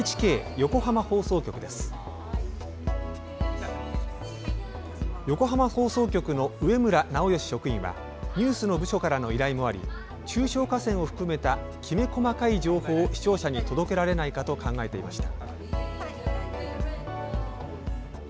横浜放送局の上村直義職員はニュースの部署からの依頼もあり中小河川を含めたきめ細かい情報を視聴者に届けられないかと考えていました。